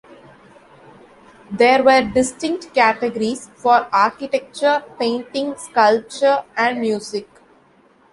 There were distinct categories for architecture, painting, sculpture and music.